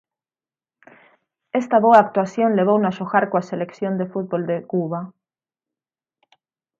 Esta boa actuación levouno a xogar coa Selección de fútbol de Cuba.